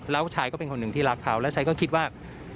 แล้วชายก็เป็นคนหนึ่งที่รักเขาแล้วชายก็คิดว่า